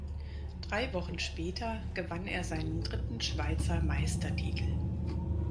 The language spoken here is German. Drei Wochen später gewann er seinen dritten Schweizer Meistertitel.